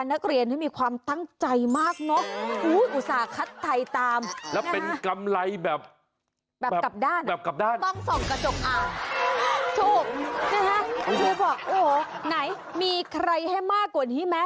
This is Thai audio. ไหนมีใครให้มากกว่านี้มั้ย